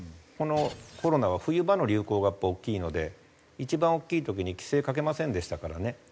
このコロナは冬場の流行がやっぱり大きいので一番大きい時に規制かけませんでしたからね。